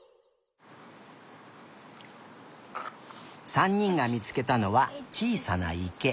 ３にんがみつけたのはちいさないけ。